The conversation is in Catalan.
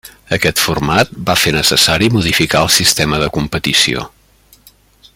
Aquest format va fer necessari modificar el sistema de competició.